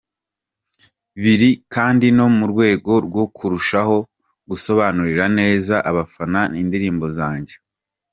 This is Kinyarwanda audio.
Biri kandi no mu rwego rwo kurushaho gusobanurira neza abafana indirimbo zanjye.